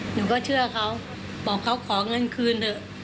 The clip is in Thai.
หนูก็เชื่อเขาบอกเขาขอเงินคืนเถอะ